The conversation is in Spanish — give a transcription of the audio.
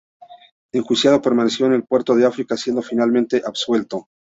Enjuiciado, permaneció en el puerto de Arica, siendo finalmente absuelto.